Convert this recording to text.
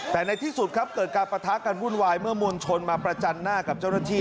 แต่ในที่สุดครับเกิดการปะทะกันวุ่นวายเมื่อมวลชนมาประจันหน้ากับเจ้าหน้าที่